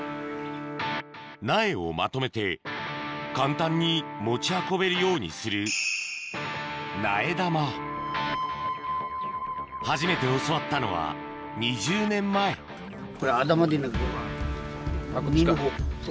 苗をまとめて簡単に持ち運べるようにする初めて教わったのは２０年前これ頭でなく身のほう。